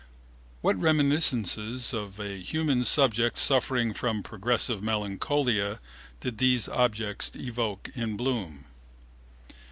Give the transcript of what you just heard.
What reminiscences of a human subject suffering from progressive melancholia did these objects evoke in Bloom?